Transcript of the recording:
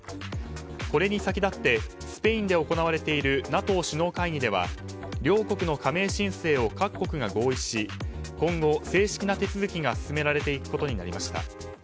これに先立ってスペインで行われているＮＡＴＯ首脳会議では両国の加盟申請を各国が合意し今後、正式な手続きが進められていくことになりました。